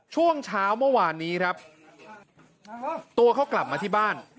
ช่วงเช้าเมื่อวานนี้ครับตัวเขากลับมาที่บ้าน